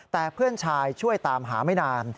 แต่เพื่อนชายช่วยตามหาไม่นาน